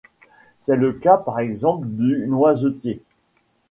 C'est le cas par exemple du noisetier.